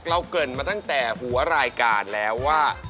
เกริ่นมาตั้งแต่หัวรายการแล้วว่า